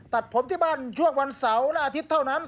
ตัดผมที่บ้านช่วงวันเสาร์และอาทิตย์เท่านั้น